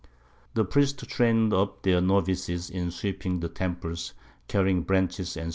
The Priests train'd up their Novices in sweeping the Temples, carrying Branches, _&c.